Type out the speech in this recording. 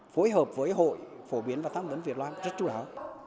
phối hợp với hội phổ biến và tham vấn việt nam rất chú đáo